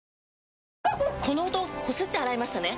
この音こすって洗いましたね？